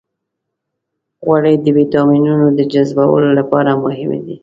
غوړې د ویټامینونو د جذبولو لپاره مهمې دي.